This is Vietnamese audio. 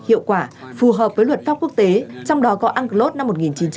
hiệu quả phù hợp với luật pháp quốc tế trong đó có unclos năm một nghìn chín trăm tám mươi hai